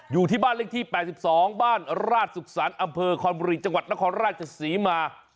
อยู่ที่บ้านเลขที่๘๒บ้านราชสุขสรรค์อำเภอคอนบุรีจังหวัดนครราชศรีมา